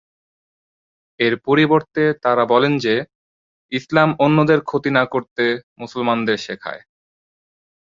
এর পরিবর্তে, তারা বলেন যে,"ইসলাম অন্যদের ক্ষতি না করতে মুসলমানদের শেখায়"।